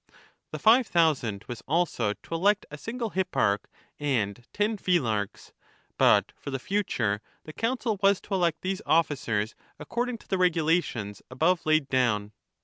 The Five Thousand 1 was also to elect a single Hipparch and ten Phylarchs ; but for the future the Council was to elect these officers according to the regulations above laid down.